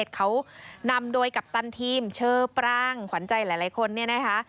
เขานำโดยกัปตันทีมเชอปรางขวัญใจหลายคนเนี่ยนะคะ